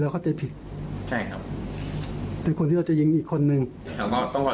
บอกขอโทษไม่ตั้งใจมายิงเขา